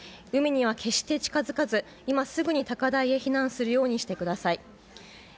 海には決して近づかず今すぐに高台に避難するようにしてください。